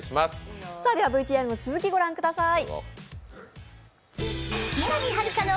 ＶＴＲの続きご覧ください。